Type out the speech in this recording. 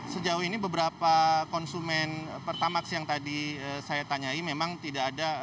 sejauh ini beberapa konsumen pertamax yang tadi saya tanyai memang tidak ada